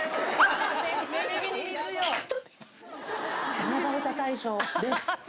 ダマされた大賞です。